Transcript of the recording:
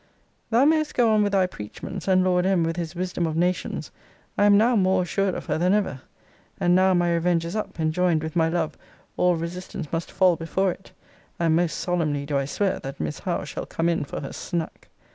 Thou mayest go on with thy preachments, and Lord M. with his wisdom of nations, I am now more assured of her than ever. And now my revenge is up, and joined with my love, all resistance must fall before it. And most solemnly do I swear, that Miss Howe shall come in for her snack.